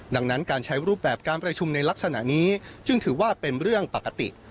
ดังนั้นการใช้รูปแบบการประชุมในลักษณะนี้จึงถือว่าเป็นเรื่องปกติ